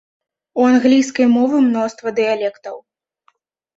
У англійскай мовы мноства дыялектаў.